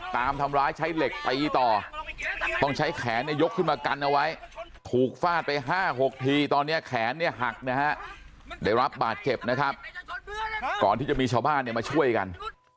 ตามทำร้ายใช้เหล็กตีต่อต้องใช้แขนเนี่ยยกขึ้นมากันเอาไว้ถูกฟาดไป๕๖ทีตอนนี้แขนเนี่ยหักนะฮะได้รับบาดเจ็บนะครับก่อนที่จะมีชาวบ้านเนี่ยมาช่วยกัน